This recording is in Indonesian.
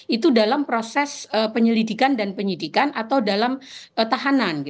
itu dalam proses penyelidikan dan penyidikan atau dalam tahanan